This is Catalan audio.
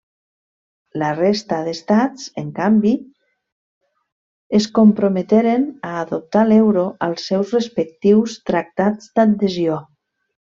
La resta d'estats, en canvi, es comprometeren a adoptar l'euro als seus respectius Tractats d'Adhesió.